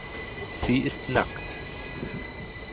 Sie ist nackt.